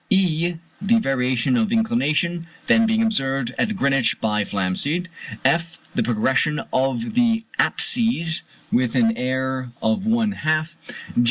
(e) The variation of inclination, then being observed at Greenwich by Flamsteed. (f) The progression of the apses (with an error of one half).